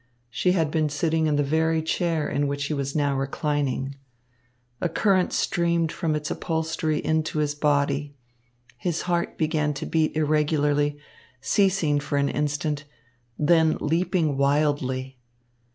She had been sitting in the very chair in which he was now reclining. A current streamed from its upholstery into his body. His heart began to beat irregularly, ceasing for an instant, then leaping wildly.